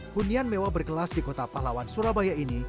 hunian mewah berkelas di kota pahlawan surabaya ini